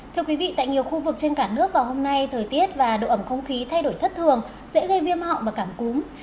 thưa quý vị tại nhiều khu vực trên cả nước vào hôm nay thời tiết và độ ẩm không khí thay đổi thất thường dễ gây viêm họng và cảm cúm